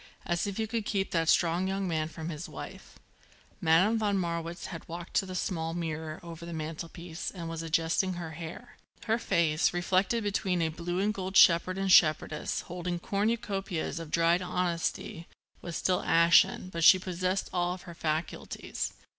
As if you could keep that strong young man from his wife." Madame von Marwitz had walked to the small mirror over the mantelpiece and was adjusting her hair. Her face, reflected between a blue and gold shepherd and shepherdess holding cornucopias of dried honesty, was still ashen, but she possessed all her faculties.